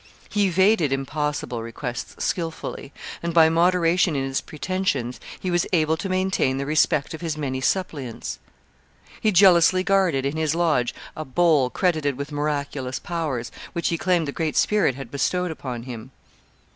He evaded impossible requests skilfully, and by moderation in his pretensions he was able to maintain the respect of his many suppliants. He jealously guarded in his lodge a bowl credited with miraculous powers, which he claimed the Great Spirit had bestowed upon him.